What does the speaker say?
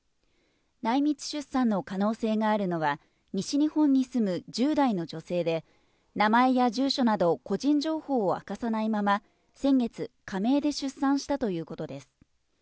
内密出産の可能性があるのは、西日本に住む１０代の女性で、名前や住所など個人情報を明かさないまま、先月、仮名で出産したということです。